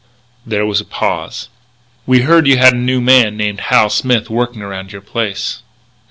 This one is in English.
There was a pause. "We heard you had a new man named Hal Smith working around your place."